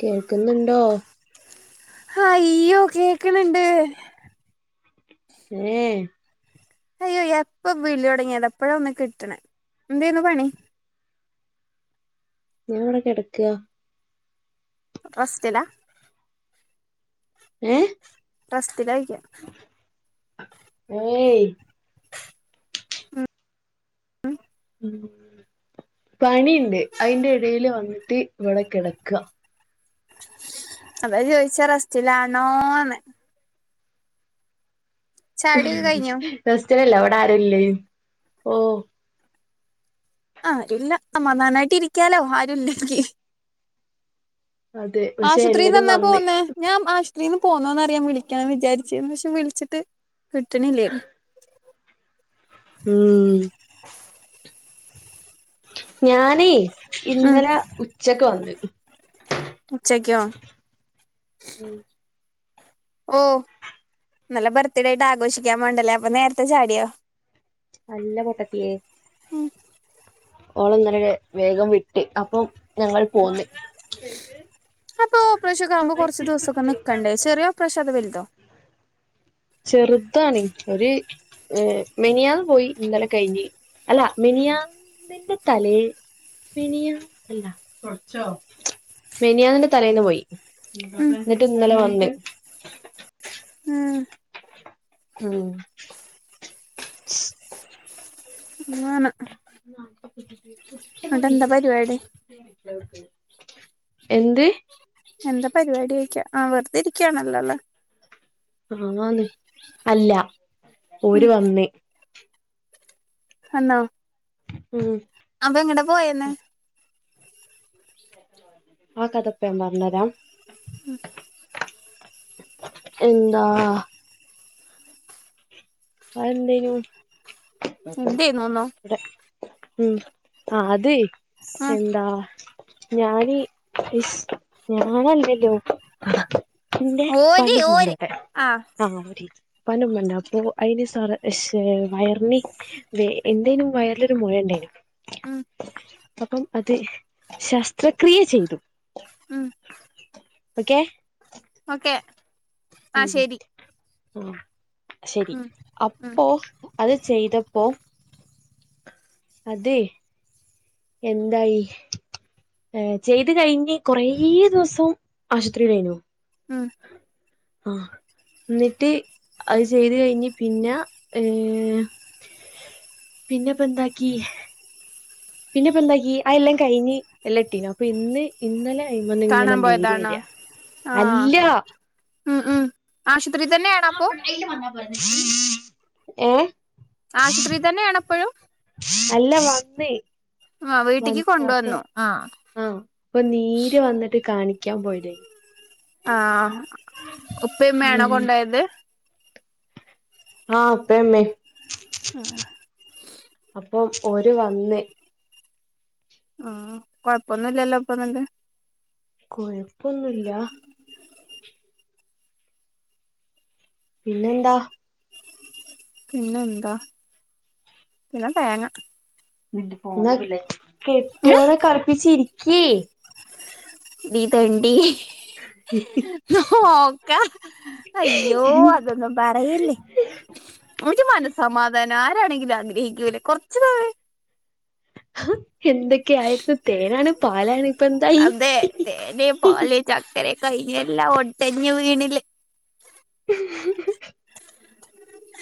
കേൾക്കുന്നുണ്ടോ ഹയ്യോ കേക്കണുണ്ട് [unintelligible] അയ്യോ എപ്പൊ വിളി തുടങ്ങിയത് ആണ് ഇപ്പഴാ ഒന്ന് കിട്ടണെ എന്താരുന്നു പണി ഞാൻ ഇവിടെ കിടക്കുക [unintelligible] സ്റ്റിലാ ഏഹ് റെസ്റ്റിലായിക്ക ഓയ് ഉം ഉം പണിയുണ്ട് അതിന്റെ ഇടേൽ വന്നിട്ട് ഇവിടെ കിടക്കുക അതാ ചോദിച്ചെ റെസ്റ്റിലാന്നോന്ന് ചായടിയൊക്കെ കഴിഞ്ഞോ റെസ്റ്റിലല്ല ഇവിടെ ആരുവില്ലേ ഓ ആരുവില്ല സമാധാനായിട്ട് ഇരിക്കാലോ ആരുമില്ലെങ്കി അതെ പക്ഷെ ആശുപത്രിന്ന് എല്ലാരും എന്നാ വന്ന് പോന്നെ ഞാൻ ആശുപത്രിയിൽ നിന്ന് പോണോന്നറിയാൻ വിളിക്കണംന്ന് വിചാരിച്ചിരുന്ന് പക്ഷെ വിളിച്ചിട്ട് കിട്ടണില്ലായിരുന്നു ഉം ഞാനേ ഉം ഇന്നലെ ഉച്ചക്ക് വന്ന് ഉച്ചക്കോ ഉം ഓഹ് ഇന്നലെ ബർത്ത്ഡേ ആയിട്ട് ആഘോഷിക്കാ വേണ്ടിയല്ലേ അപ്പൊ നേരത്തെ ചാടിയോ അല്ല പൊട്ടത്തിയേ ഉം ഓള് ഇന്നലെ വേഗം വിട്ട് അപ്പം ഞങ്ങൾ പോന്ന് അപ്പൊ ഓപ്പറേഷൻ ഒക്കെ ആവുമ്പോൾ കുറച്ച് ദിവസൊക്കെ നിക്കണ്ടേ ചെറിയ ഓപ്പറേഷൻ അതോ വലുതോ ചെറുതാണ് ഒര് ഏഹ് മിനിഞ്ഞാന്ന് പോയി ഇന്നലെ കഴിഞ്ഞ് അല്ല മിനിഞ്ഞാന്നിന്റെ തലേ മിനിഞ്ഞാന്ന് അല്ല മിനിഞ്ഞാന്നിന്റെ തലേന്ന് പോയി ഉം എന്നിട്ട് ഇന്നലെ വന്ന് ഉം ഉം [inaudible] ഇങ്ങ് വാണ് എന്താ പരിപാടി [inaudible] എന്ത് എന്താ പരിപാടി ക്കാ ആഹ് വെറുതെ ഇരിക്കുകയാണല്ലോല്ലേ ആന്ന് അല്ല ഉം ഓര് വന്ന് ആന്നോ ഉം അപ്പ എങ്ങടാ പോയന്നെ [unintelligible] അന്നേരം ഉം എന്താ അത് എന്തേനു എന്ത്‌ ചെയ്യുന്നോന്നോ [unintelligible] ഉം ആഹ് അത് ഉം എന്താ ഞാന് [unintelligible] ഞാനല്ലല്ലോ ഇന്റെ ഓര് ഓര് ഉപ്പാന്റെഉമ്മാന്റോടെ ആ ഓരി ഇപ്പന്റെമ്മന്റെ അപ്പൊ അയിന് സർ ഷേ വയറിന് എന്തേനു വയറിലൊരു മൊഴ ഇണ്ടേയ്നു. ഉം അപ്പം അത് ശസ്ത്രക്രിയ ചെയ്തു. ഉം ഓക്കെ ഓക്കെ ആ ഉം ശരി ഓ ശരി ഉം ഉം അപ്പോ അത് ചെയ്തപ്പോ. അതെ എന്തായി ഏഹ് ചെയ്ത് കഴിഞ്ഞ് കൊറേ ദിവസം ആശുത്രിലേനു ഉംഹ് ആഹ് ന്നിട്ട് അത് ചെയ്ത് കയിഞ്ഞ് പിന്ന ഏഹ് പിന്നെപ്പന്താക്കി പിന്നെ ഇപ്പ എന്താക്കി അയ്ല്ലാം കയിഞ്ഞ് എല്ലാം ഇട്ടീനു അപ്പൊ ഇന്ന് ഇന്നല കയ്മിന്നിങ്ങനെ കാണാൻ നീര് പോയതാണോ വരാ ആ അല്ല ഉം ഉം ആശുപത്രീതന്നെയണപ്പൊ ഏഹ് ആശുത്രിതന്നെയാണപ്പഴും അല്ല വന്നേ ആ വീട്ടിക്ക് വന്ന് അപ്പൊ കൊണ്ടുവന്നു ആ ആഹാ അപ്പൊ നീര് വന്നിട്ട് കാണിക്കാൻ പോയിതേനി ആഹാ ഉപ്പേമ്മയാണോ ഉം കൊണ്ടേയത് ആഹാ ഉപ്പേംമ്മേം മ്ഹ്ഹ അപ്പം ഓര് വന്ന് ഉം കൊഴപ്പൊന്നുല്ലല്ലോപ്പന്നിട്ട് കൊയപ്പൊന്നുല്ലാ പിന്നെന്താ പിന്നെന്താ പിന്നെ തേങ്ങ ന്നിട്ടിപ്പൊ കെട്ട്യോനെകളിപ്പിച്ചിരിക്കേയ് ! ! ! ! ! ! ! ! ! ! അയ്യോ അതൊന്നും പറയല്ലേ ഒരു മനസ്സമാധാനം ആരാണെങ്കിലും ആഗ്രഹിക്കൂലേ കൊറച്ച് എന്തൊക്കെയായിരുന്നു തേനാണ് പാലാണ് ഇപ്പന്തായി അതെ തേനെ പാല് ചക്കര കയിഞ്ഞല്ലാം ഒടഞ് വീണില്ലേ [inaudible]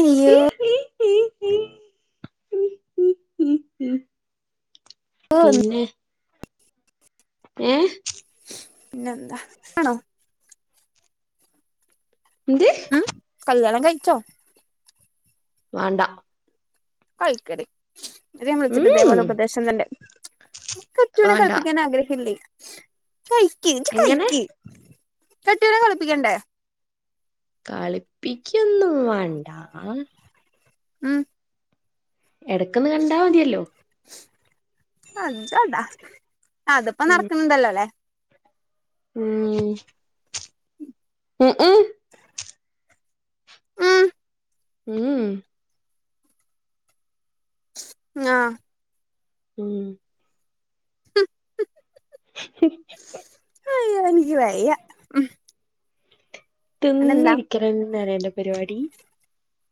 അയ്യോ ഈഹി ഈഹിഹി ഹി പിന്നെ ഏഹ് പിന്നെന്താ ആണോ എന്ത് ഉം കല്ല്യാണംകയിച്ചോ വാണ്ടാ കയ്ക്കടി ന്നിട്ട് ഞാൻ വിളിച്ചിട്ട് ഉം ഇതുപോലെ ഉപദേശംതെരണ്ട് കെട്ട്യോനെ വാണ്ട കളിപ്പിക്കാൻ ആഗ്രഹല്യേ കയ്ക്ക് ഇജ്ജ് എങ്ങനെ കയ്ക്ക് കെട്ട്യോനെ കളിപ്പിക്കണ്ടേ കളിപ്പിക്കൊന്നും വാണ്ടാ ഉം എടക്കൊന്ന് കണ്ടാമതിയല്ലോ ആഞ്ചാട അതിപ്പോ ഉം നടക്കുന്നിണ്ടലോ ലേ. ഉം ഉം ങ്ങും ഉം മ് മ്ഹ് ഞാ ഉം ഹും [unintelligible] അയ്യോ എനിക്ക് വയ്യ. അതെന്താ തിന്നിരിക്കലെന്നെ അന്റെ പരിപാടി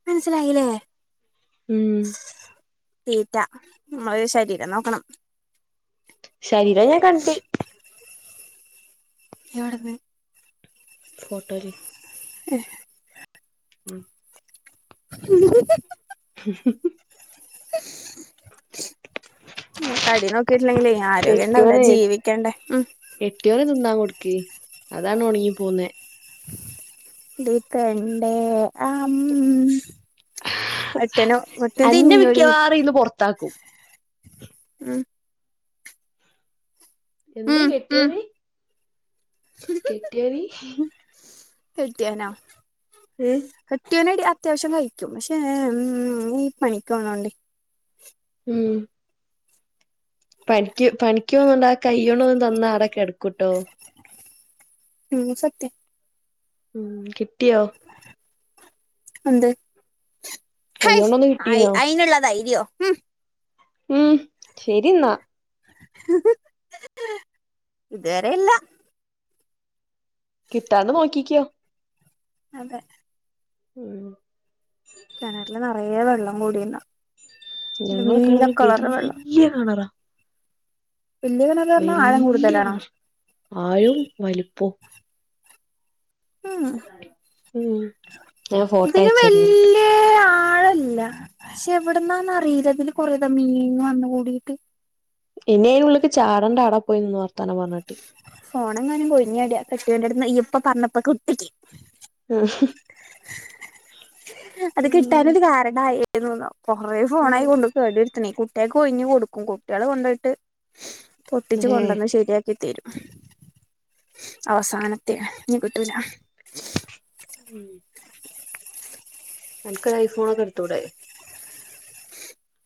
മനസ്സിലായില്ലേ? ഉം തീറ്റ നമ്മെളെ ശരീരം നോക്കണം. ശരീരം ഞാൻ കണ്ട്. എവെടെന്ന്? ഫോട്ടോല് ഏഹ് ഉം [unintelligible] [unintelligible] [unintelligible] മ് തടി നോക്കിട്ടില്ലെങ്കിലേ. ആരോഗ്യം ഉണ്ടാവൂല ജീവിക്കേണ്ടേ ഉം കെട്ട്യാവെന് തിന്നാ കൊടുക്ക് അതാണ് ഉണങ്ങി പോകുന്നേ. ഇതു കണ്ടോ അം അട്ടേനോ മൊത്തം തിന്നുയെടി അറിയുന്നു പൊർ താക്കും ഉം ഉം എന്ത് ഉം ഉം കെട്ട്യോന്, കെട്ട്യോന്. കെട്ടിയനോ? ഏഹ് കെട്ട്യാവനെടി അത്യാവശ്യം കഴിക്കും പക്ഷേ മ് മ് ഈ പണിക്ക് പോണോണ്ടേ. ഉം തടിക്ക് പണിക്ക് പോന്നോണ്ട് ആഹ് കയ്യോണ്ടൊന്ന് തന്നാ അവെടെ കെടക്കൂട്ടോ. ഇതു സത്യം ഉം കിട്ടിയോ? എന്ത് കയ് കൈയ്യോണ്ടൊന്ന് കിട്ടീനോ അയിനൊള്ള ധൈര്യോ ഉം ഉം ശരിന്നാ. [unintelligible] ഇതേരെയില്ല. കിട്ടാണ്ട് നോക്കിക്കോ. അതെ. ഉം കെണറില് നെറയെ വെള്ളം കൂടിയിണ്. ഞങ്ങളെ കെണറ് വെള്ളം വെല്യാ കെണറാ. വല്യ കിണറ് പറഞ്ഞാ ആഴം വെല്യാ കൂടുതലാണോ കെണർ ആഴോം വലുപ്പോം. ഉം ഉം ഞാൻ ഫോട്ടോ അയച്ച്‌ തെരണൊണ്ട്. ഏഹ് ആഴല്ല പക്ഷെ എവിടന്നാന്നറിയില്ലയതില് കൊറേതാ മീന് വന്ന് കൂടിയിട്ട്. ഇനിയനുള്ളേക്ക് ചാടേണ്ടാ അവെടെ പോയി നിന്ന് വർത്താനം പറഞ്ഞിട്ട്. ഫോണെങ്ങാനും പോയിരുന്നേന്റെയാ കെട്ടിവെന്റെടുത്തുന്ന് ഇപ്പ കരണത്തെക്കുറ്റിക്ക്. [unintelligible] അത് കിട്ടാനൊരു കാരണായി [unintelligible] കൊറെ ഫോണായി കൊണ്ട് കേടുവരുത്തണേ കുട്ടികൾക്ക്‌ ഒഴിഞ്ഞ് കൊടുക്കും കുട്ടികള് കൊണ്ടു പോയിട്ട്. പൊട്ടിച്ച് ഏ കൊണ്ടുവന്ന് ശരിയാ തീരും അവസാനത്തെ നീ കിട്ടൂല ഉം അനക് ഒരു ഐഫോൺ ക്കെ എടുത്തൂടെ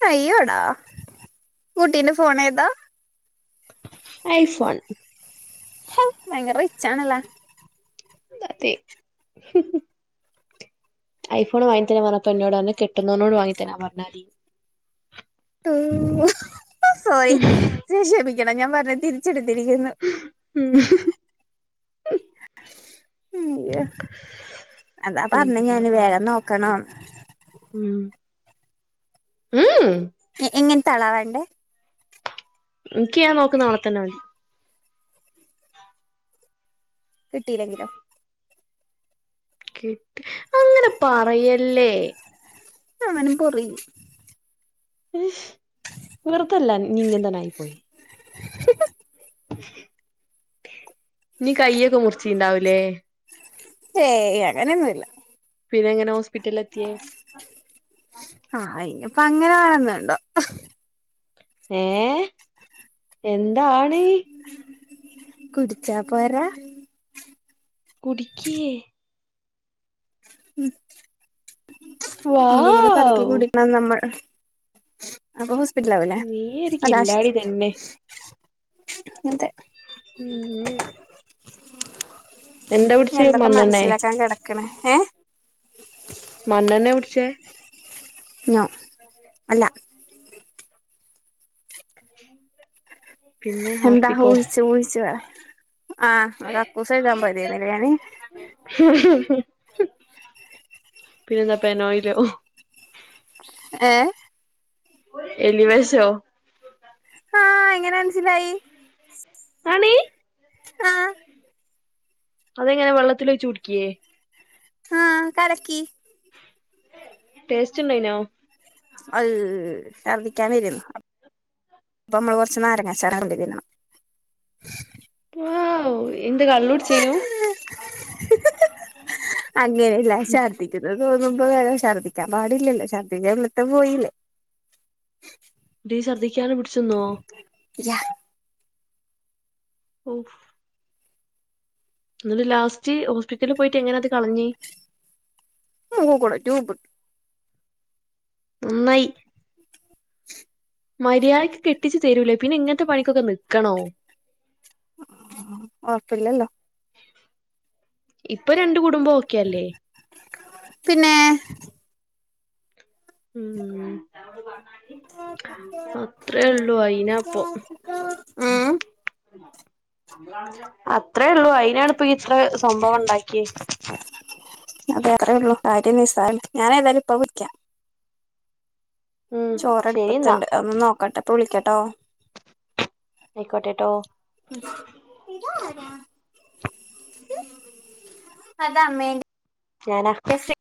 അയ്യോടാ കുട്ടിന്റെ ഫോൺ ഏത ഐഫോൺ ഹ ഭയങ്കര റിച്ചണല്ലേ അത ഐഫോൺ വങ്ങിതരാ പറഞ്ഞപ്പോ എന്നോട് പറഞ് കെട്ട്ന്നോട് വങ്ങി തരാ പറഞ്ഞാ തി ഉ സോറി ശക്ഷേപിക്കണം ഞാൻ പറഞ്ഞ തിരിച്ചെടുത്തിരിക്കുന്നു ഉം മ്യ അതാ പറഞ്ഞ് ഞൻ വേഗം നോക്കണം മ് മ്മ് എങ്ങനെ തളവേണ്ടേ എനിക്ക് ഞാൻ നോക്കുന്ന നളെ തന്നെ മതി കിട്ടിയില്ലെങ്കിലോ കിട്ട് അങ്ങനെ പറയല്ലേ അങ്ങനെ പറയു ഉ വെറുതല്ല നീങ്ങന്തെ ആയി പോയി നീ കയ്യൊക്കെ മുറിച്ചീണ്ടാവൂലേ ഏ് അങ്ങനെ ഒന്നുല പിന്നെ എങ്ങനെ ഹോസ്പിറ്റലിൽ എത്തിയേ ആഹ് അയിപ്പ അങ്ങനെ ആണന്നണ്ടോ ഏ എന്താണ് കുടിച്ച പോരാ കുടുക്കിയ ഉ എന്തെങ്കിലും കലക്കി വാവ് കൂടിക്കണം നമ്മൾ അപ്പൊ ഹോസ്പിറ്റല അവല്ലേ നീയൊരു അത് ആശ കില്ലാടി തന്നെ മ ഉം എന്താ കുടിച്ചേ എന്തൊക്കെ മണ്ണെണ്ണേ മനസ്സിലാക്കാൻ കിടക്കണ ഏ മണ്ണണെ കൂടിച്ചേ അല്ല എ എന്താ ഊഹിച്ചു ഊഹിച്ചു പറ ആഹ് കക്കൂസ് കേഴുകാൻ പൊയ്തനിലെ ഞാൻ പിന്നെന്താ പനയില്ലോ ഏ എല്ലിവശോ ആഹ് എങ്ങനെ മനസ്സിലായി അണ് ആഹ് അതെങ്ങനെ വെള്ളത്തിൽ ഒഴിച്ച് കുടിക്കിയേ ആ കലക്കി ടെസ്റ്റ്‌ ഉണ്ടായിനോ അയ് ഛർദ്ദിക്കാൻ വരുന്നു അപ്പൊ നമ്മൾ കൊറച്ച് നാരങ്ങ അച്ചർ കൊണ്ടേയിടണം വൗ എന്ത് കള്ളോടിച്ചേനു അങ്ങനെയല്ല ഛർദ്ദിക്കുന്നത് തോന്നുമ്പോ വേറെ ഛർദ്ദിക്കാൻ പാടില്ലല്ലോ ഛർദ്ദിക്ക ഇവിളത്തെ പോയില്ലേ ടി ഛർദ്ദിക്കാതെ പിടിച്ചന്നോ യാ ഉം എന്നിട് ലാസ്റ്റ് ഹോസ്പിറ്റലിൽ പോയിട്ട് എങ്ങനെ അത് കളഞ്ഞ് മുക്കി കൂടെ ട്യൂബ നന്നായി മര്യാദക്ക് കെട്ടിച്ച് തരൂലേ പിന്നെ ഇങ്ങനത്തെ പണിക്കൊക്കെ നിൽക്കണോ ഉറപ്പില്ലലോ ഇപ്പൊ രണ്ട് കുടുംബം ഓക്കേഅല്ലേ പിന്നെ ഉ അത്രേ ഉള്ളൂ അയിനപ്പം ഉം അത്രയേ ഉള്ളു അയിനാണ്പ്പ ഇത്ര സംഭവ ഉണ്ടാക്കിയെ അത അത്രേ ഉള്ളൂ കാര്യം നിസ്സാര ഞൻ ഏതായാലും ഇപ്പ വിളികാം ഉം ചോറ് ശരി എന്നാ അടുപ്പത്തുണ്ട് ഒന്ന് നോക്കട്ടെപ്പ വിളിക്കട്ടോ ആയിക്കോട്ടെ ട്ടോ [unintelligible] ഞനാ എസ്